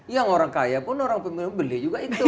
yang orang kaya pun orang pemilih beli juga itu